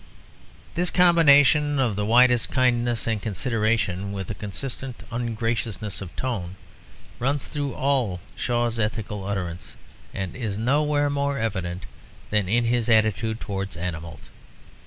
This combination of the widest kindness and consideration with a consistent ungraciousness of tone runs through all Shaw's ethical utterance, and is nowhere more evident than in his attitude towards animals.